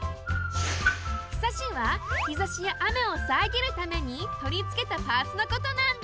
庇はひざしやあめをさえぎるためにとりつけたパーツのことなんだ。